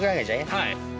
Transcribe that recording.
はい。